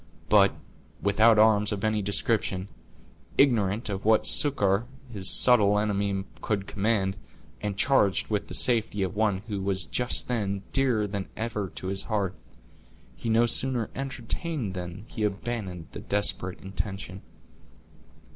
But, without arms of any description, ignorant of what succor his subtle enemy could command, and charged with the safety of one who was just then dearer than ever to his heart, he no sooner entertained than he abandoned the desperate intention.